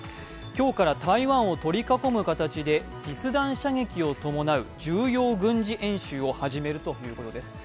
今日から台湾を取り囲む形で実弾射撃を伴う重要軍事演習を始めるということです。